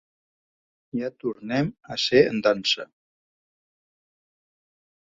Ja tornem a ser en dansa.